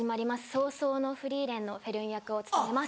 『葬送のフリーレン』のフェルン役を務めます。